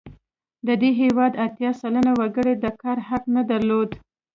د دې هېواد اتیا سلنه وګړو د کار حق نه درلود.